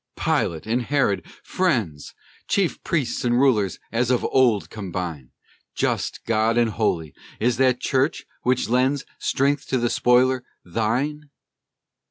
Pilate and Herod, friends! Chief priests and rulers, as of old, combine! Just God and holy! is that church, which lends Strength to the spoiler, thine?